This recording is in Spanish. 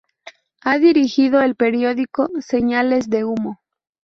Ha dirigido el periódico "Señales de humo".